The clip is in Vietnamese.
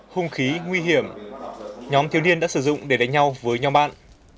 hung khí nguy hiểm nhóm thiếu niên đã sử dụng để đánh nhau với nhóm bạn